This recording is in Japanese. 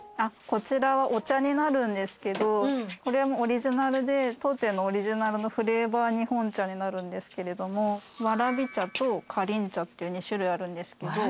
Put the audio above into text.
こちらはお茶になるんですけどこれもオリジナルで当店のオリジナルのフレーバー日本茶になるんですけれどもわらび茶とかりん茶っていう２種類あるんですけど。